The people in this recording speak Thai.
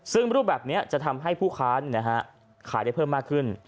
ซึ่งรูปแบบนี้จะทำให้ผู้ค้าขายได้เพิ่มมากขึ้น